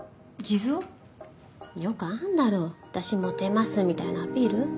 よくあんだろ私モテますみたいなアピール？